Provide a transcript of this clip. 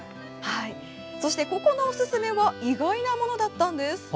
ここのおすすめは意外なものだったんです。